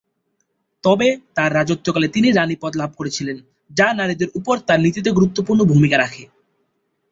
তবে, তার রাজত্বকালে তিনি রাণী পদ লাভ করেছিলেন, যা নারীদের ওপর তার নীতিতে গুরুত্বপূর্ণ ভূমিকা রাখে।